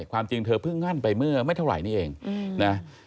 ความจริงเธอเพิ่งงั่นไปเมื่อไม่เท่าไหร่นี่เองนะ